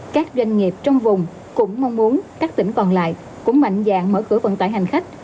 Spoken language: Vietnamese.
các doanh nghiệp trong vùng cũng mong muốn các tỉnh còn lại cũng mạnh dạng mở cửa vận tải hành khách